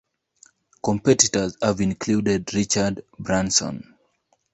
Competitors have included Richard Branson.